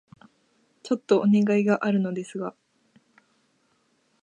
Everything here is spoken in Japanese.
ちょっとお願いがあるのですが...